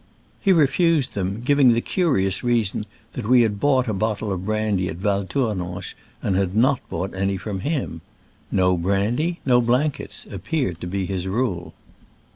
He refused them, giving the curious reason that we had bought a bottle of brandy at Val Tournanche, and had not bought any from him ! No brandy, no blankets, appeared to be his rule.